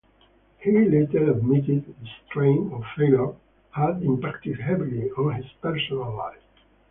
He later admitted the strain of failure had impacted heavily on his personal life.